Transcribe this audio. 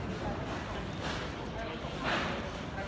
อันที่สุดท้ายก็คือภาษาอันที่สุดท้าย